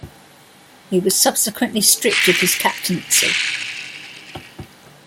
He was subsequently stripped of his captaincy.